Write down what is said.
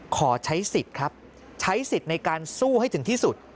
ขอใช้สิทธิ์ครับใช้สิทธิ์ในการสู้ให้ถึงที่สุด